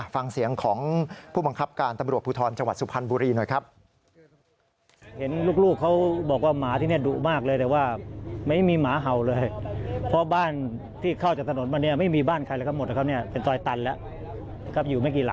ฟังเสียงของผู้บังคับการตำรวจภูทรจังหวัดสุพรรณบุรีหน่อยครับ